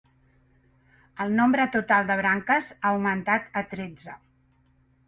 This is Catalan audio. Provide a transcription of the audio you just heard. El nombre total de branques ha augmentat a tretze.